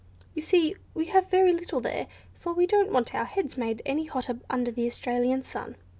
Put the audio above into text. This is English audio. You see, we have very little there; for we don't want our heads made any hotter under the Australian sun.